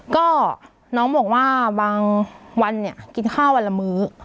ก็น้องบอกว่าบางวันเนี่ยกินข้าววันละมื้อ